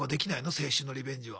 青春のリベンジは。